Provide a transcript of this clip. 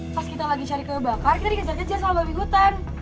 pas kita lagi cari ke bakar kita dikejar kejar sama babi hutan